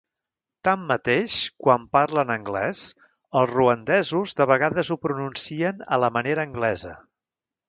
Tanmateix, quan parlen anglès, els ruandesos de vegades ho pronuncien a la manera anglesa.